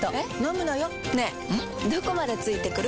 どこまで付いてくる？